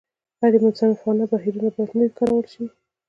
غیر منصفانه بهیرونه باید نه وي کارول شوي.